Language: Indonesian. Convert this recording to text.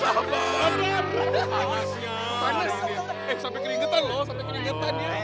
eh sampe keringetan loh sampe keringetan ya